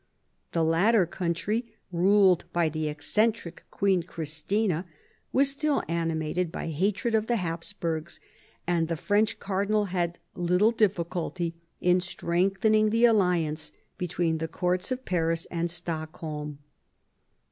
The latter country, ruled by the eccentric Queen Christina, was still animated by hatred of the Hapsburgs, and the French cardinal had little difficulty in strengthening the alliance between the courts of Paris and Stockholm.